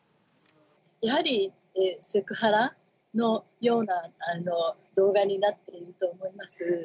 やはりセクハラのような動画になっていると思います。